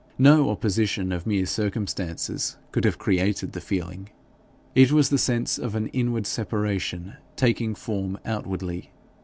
No opposition of mere circumstances could have created the feeling; it was the sense of an inward separation taking form outwardly.